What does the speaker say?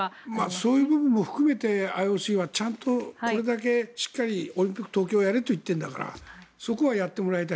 そういう部分も含めてＩＯＣはちゃんとこれだけしっかりオリンピック、東京でやれと言っているんだからそこはやってもらいたい。